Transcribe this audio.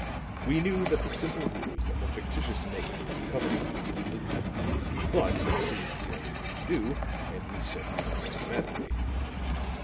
We knew that the simple ruse of a fictitious name would cover Hume completely; but it seemed the only thing to do, and we set at it systematically.